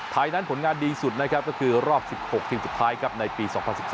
ไทยนั้นผลงานดีสุดนะครับก็คือรอบ๑๖ทีมสุดท้ายครับในปี๒๐๑๒